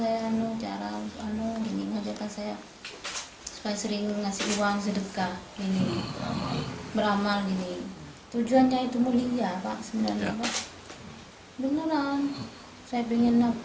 anak anak yang tidak mati kasihan